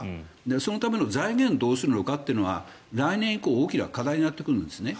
そのための財源をどうするのかというのは来年以降、大きな課題になってくるんですね。